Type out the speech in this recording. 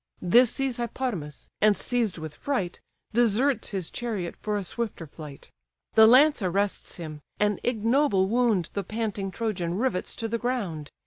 This sees Hippodamas, and seized with fright, Deserts his chariot for a swifter flight: The lance arrests him: an ignoble wound The panting Trojan rivets to the ground.